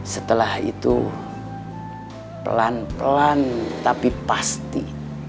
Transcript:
setelah itu pelan pelan tapi pasti